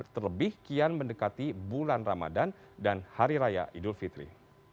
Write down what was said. terlebih kian mendekati bulan ramadan dan hari raya idul fitri